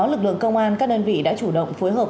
lực lượng công an các đơn vị đã chủ động phối hợp